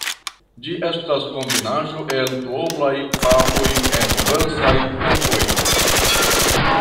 Ĝi estas kombinaĵo el duoblaj frapoj en diversaj tempoj.